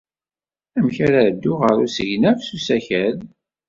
Amek ara dduɣ ɣer usegnaf s usakal?